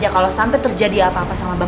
kalo sampai terjadi apa apa sama bang jaka